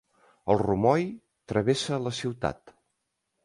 El Rumoi travessa la ciutat.